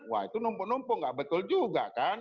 wah itu numpuh numpuh nggak betul juga kan